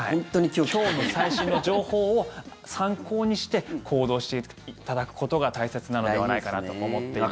今日の最新の情報を参考にして行動していただくことが大切なのではないかなと思っています。